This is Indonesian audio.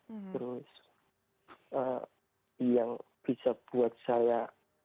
terus yang bisa buat saya